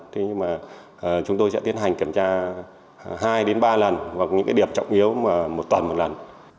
nhưng mà chúng tôi sẽ tiến hành kiểm tra hai đến ba lần hoặc những điểm trọng yếu một tuần một lần